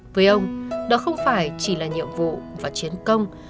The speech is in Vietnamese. với ông đó không phải chỉ là nhiệm vụ và chiến công